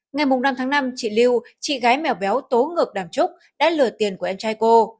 ngày năm tháng năm chị lưu chị gái mèo béo tố ngược đàm trúc đã lừa tiền của em trai cô